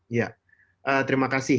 iya terima kasih